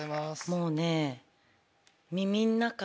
もうね。